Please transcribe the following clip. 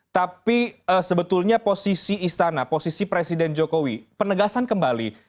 tapi sebetulnya posisi istana posisi presiden jokowi penegasan kembali